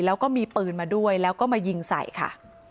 แล้วก็มีปืนมาด้วยแล้วก็มายิงใส่ค่ะ